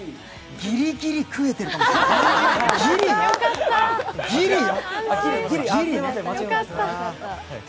ギリギリ食えてるかもしれない。